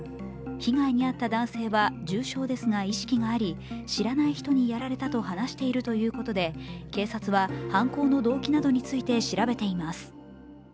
被害に遭った男性は重傷ですが意識はあり、知らない人にやられたと話しているということで、警察は犯行の動機などについて調べています。